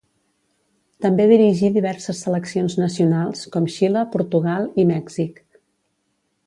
També dirigí diverses seleccions nacionals, com Xile, Portugal i Mèxic.